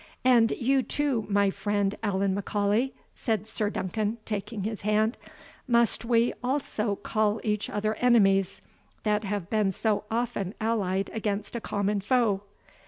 "And you too, my friend, Allan M'Aulay," said Sir Duncan, taking his hand, "must we also call each other enemies, that have been so often allied against a common foe?"